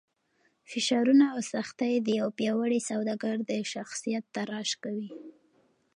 فشارونه او سختۍ د یو پیاوړي سوداګر د شخصیت تراش کوي.